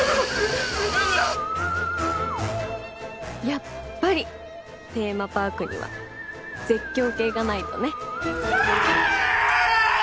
やっぱりテーマパークには絶叫系がないとね。